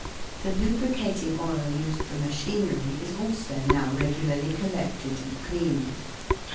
The lubricating oil used for machinery is also now regularly collected and cleaned.